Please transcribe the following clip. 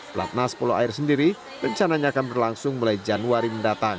pelatnas polo air sendiri rencananya akan berlangsung mulai januari mendatang